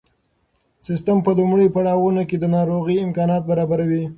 سیسټم په لومړیو پړاوونو کې د ناروغۍ امکانات برابروي.